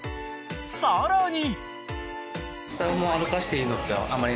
［さらに］